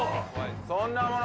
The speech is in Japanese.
そんなもの